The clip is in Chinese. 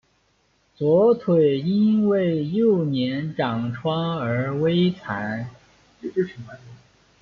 左腿因为幼年长疮而微残。